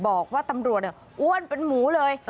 บอกว่าตำรวจอ้วนเป็นหมูเลย